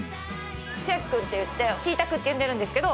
千明君っていってチータクって呼んでるんですけど。